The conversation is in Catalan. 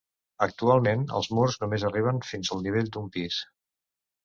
Actualment els murs només arriben fins al nivell d'un pis.